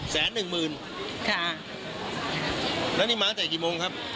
แสนหนึ่งหมื่นแล้วนี่มาจ่ายกี่โมงครับ